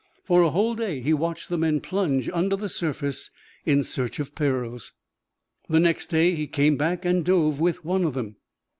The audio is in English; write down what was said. For a whole day he watched the men plunge under the surface in search of pearls. The next day he came back and dove with one of them.